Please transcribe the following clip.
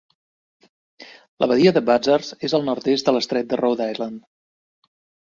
La badia de Buzzards és al nord-est de l'estret de Rhode Island.